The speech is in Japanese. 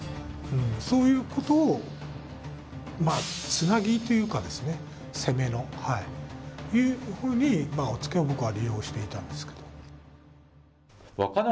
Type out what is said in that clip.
そういうことをまあつなぎというか、攻めのというふうに、おっつけを僕は利用していたんですけれども。